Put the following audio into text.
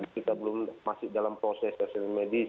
kita masih dalam proses hasil medis